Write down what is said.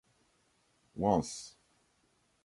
Once.